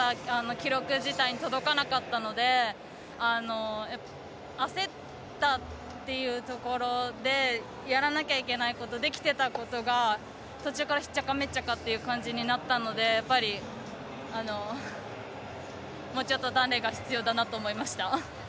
記録自体に届かなかったので焦ったというところでやらなきゃいけないことできてたことが途中からしっちゃかめっちゃかという形になったのでやっぱり、もうちょっと鍛錬が必要だなと思いました。